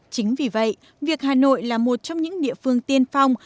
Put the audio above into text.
chính vì vậy việc hà nội là một trong những địa phương tiên phong